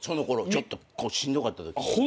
ちょっとしんどかったとき。